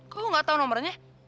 kok aku gak tau nomernya